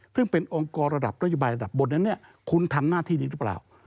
ซึ่งเป็นองค์กรระดับนโยบายระดับบนนั้นเนี่ยคุณทำหน้าที่นี้หรือเปล่า